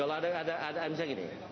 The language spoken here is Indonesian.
ya ginilah jangan ditutupi